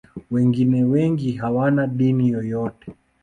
Wengine wengi hawana dini yoyote.